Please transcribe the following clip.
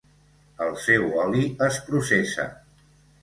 El seu oli es processa.